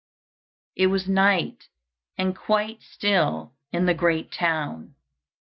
It was night, and quite still in the great town.